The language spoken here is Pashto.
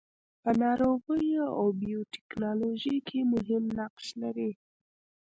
په ناروغیو او بیوټیکنالوژي کې مهم نقش لري.